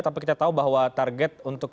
tapi kita tahu bahwa target untuk